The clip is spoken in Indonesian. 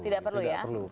tidak perlu ya